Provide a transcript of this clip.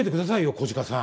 小鹿さん。